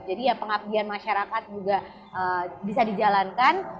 jadi ya pengabdian masyarakat juga bisa dijalankan